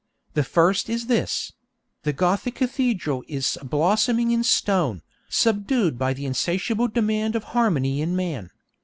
The first is this: 'The Gothic cathedral is a blossoming in stone, subdued by the insatiable demand of harmony in man.